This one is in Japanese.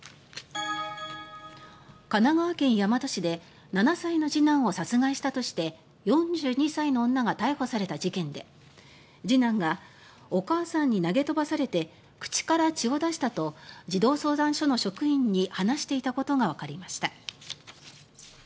神奈川県大和市で７歳の次男を殺害したとして４２歳の女が逮捕された事件で次男がお母さんに投げ飛ばされて口から血を出したと児童相談所の職員に話していたことがわかりました。